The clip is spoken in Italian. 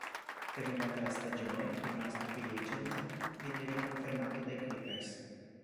Terminata la stagione, rimasto free agent, viene riconfermato dai Clippers.